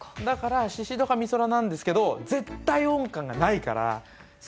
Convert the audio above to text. だから宍戸か美空なんですけど絶対音感がないから。